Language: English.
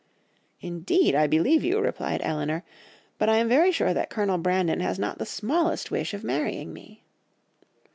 "'Indeed, I believe you,' replied Elinor, 'but I am very sure that Colonel Brandon has not the smallest wish of marrying me.